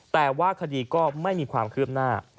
แต่ว่าคดีก็ไม่มีความคืบหน้า